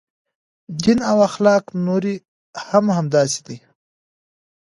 دین او اخلاق نورې هم همداسې دي.